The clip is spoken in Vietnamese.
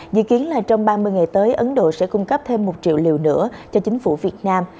dự kiến là trong ba mươi ngày tới ấn độ sẽ cung cấp thêm một triệu liều nữa cho chính phủ việt nam